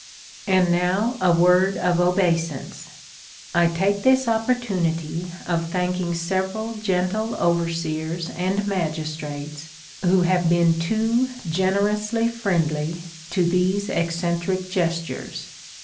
And now a word of obeisance. I take this opportunity of thanking several gentle overseers and magistrates who have been too generously friendly to these eccentric gestures.